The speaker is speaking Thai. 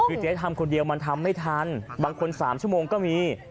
คือเจ๊ทำคนเดียวมันทำไม่ทันบางคน๓ชั่วโมงก็มี